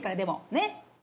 ねっ。